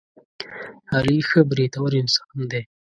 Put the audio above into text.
علي ښه برېتور انسان دی.